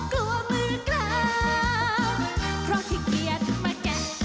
กลัวมือกลับเพราะเถียงเกียจมากแกะ